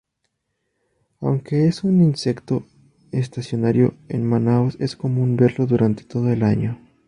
Aunque es un insecto estacionario, en Manaos es común verlo durante todo el año.